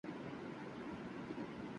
بحران کی طرف کیسے گیا